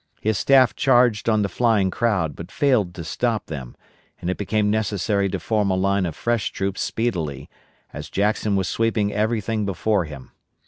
His staff charged on the flying crowd, but failed to stop them, and it became necessary to form a line of fresh troops speedily, as Jackson was sweeping everything before him.